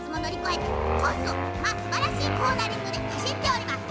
コースをすばらしいコーナリングではしっています。